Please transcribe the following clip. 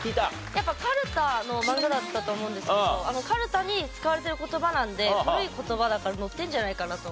やっぱかるたのマンガだったと思うんですけどかるたに使われてる言葉なんで古い言葉だから載ってるんじゃないかなと。